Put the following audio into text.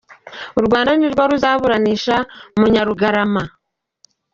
U Rwanda ni rwo ruzaburanisha Munyarugarama